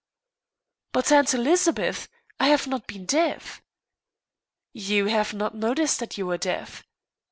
"But, Aunt Elizabeth, I have not been deaf." "You have not noticed that you were deaf."